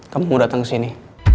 kamu datang sini